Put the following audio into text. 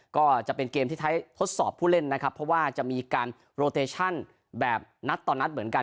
ก็จะเป็นเกมที่ไทยทดสอบผู้เล่นนะครับเพราะว่าจะมีการโรเตชั่นแบบนัดต่อนัดเหมือนกัน